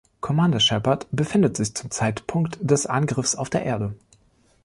Commander Shepard befindet sich zum Zeitpunkt des Angriffs auf der Erde.